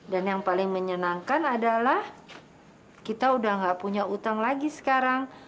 yang paling menyenangkan adalah kita udah gak punya utang lagi sekarang